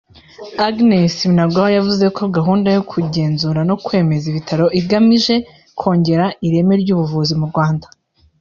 Agnes Binagwaho yavuze ko gahunda yo kugenzura no kwemeza ibitaro igamije kongera ireme ry’ubuvuzi mu Rwanda